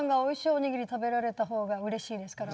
おにぎり食べられたほうがうれしいですから。